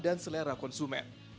dan selera konsumen